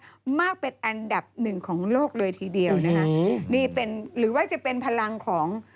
มากเป็นอันดับหนึ่งของโลกเลยทีเดียวนะคะอืมนี่เป็นหรือว่าจะเป็นพลังของ